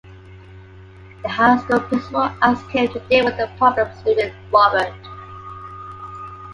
The high school principal asks him to deal with a problem-student, Robert.